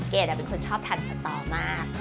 เป็นคนชอบทานสตอมาก